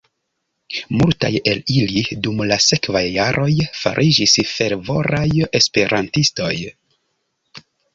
Multaj el ili dum la sekvaj jaroj fariĝis fervoraj esperantistoj.